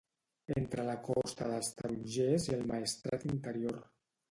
entre la Costa dels Tarongers i el Maestrat interior